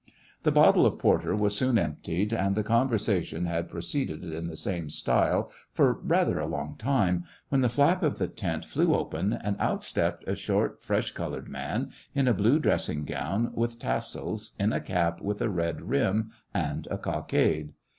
The bottle of porter was soon emptied, and the conversation had proceeded in the same style for rather a long time when the flap of the tent flew open and out stepped a short, fresh colored man, in a blue dressing gown with tassels, in a cap with a red rim and a cockade.